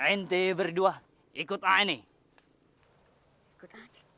ente berdua ikut aneh